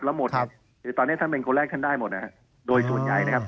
แล้วหมดครับคือตอนนี้ท่านเป็นคนแรกท่านได้หมดนะฮะโดยส่วนใหญ่นะครับ